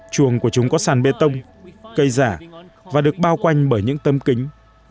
chuồng của chúng có sàn bê tông cây giả và được bao quanh bởi những tấm kính